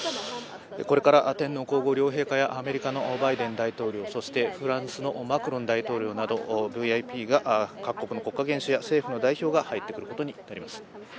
これから天皇皇后両陛下やアメリカのバイデン大統領そしてフランスのマクロン大統領などＶＩＰ、各国の国家元首や政府の代表が入ってくることになります。